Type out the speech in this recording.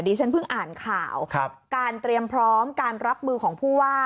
ฉันเพิ่งอ่านข่าวการเตรียมพร้อมการรับมือของผู้ว่า